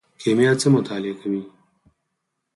کیمیا څه مطالعه کوي؟